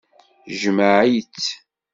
Jmeɛ-itt.